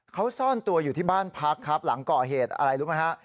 เขาซ่อนตัวอยู่ที่บ้านพักครับหลังก่อเหตุอะไรรู้ไหมฮะ